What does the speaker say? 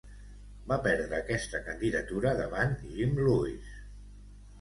Va perdre aquesta candidatura davant Jim Lewis.